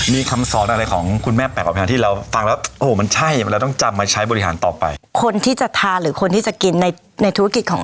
ในธุรกิจของเราอ่ะอ่าทำให้เหมือนเป็นคนในครอบครัวฐานอ๋อ